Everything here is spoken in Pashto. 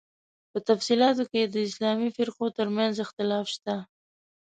په تفصیلاتو کې یې د اسلامي فرقو تر منځ اختلاف شته.